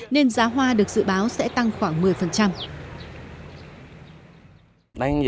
nên giá hoa được dự báo sẽ tăng khoảng một mươi